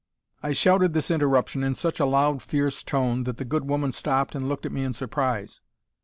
"I shouted this interruption in such a loud fierce tone that the good woman stopped and looked at me in surprise.